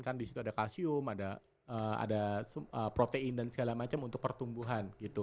kan di situ ada kalsium ada protein dan segala macam untuk pertumbuhan gitu